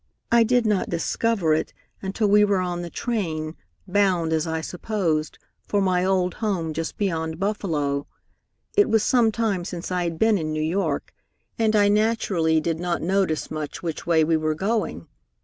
I did not discover it until we were on the train, bound, as I supposed, for my old home just beyond Buffalo. It was some time since I had been in New York, and I naturally did not notice much which way we were going.